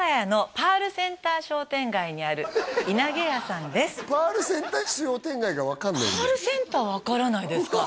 パールセンター分からないですか！？